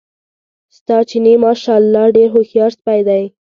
ستا چیني ماشاءالله ډېر هوښیار سپی دی.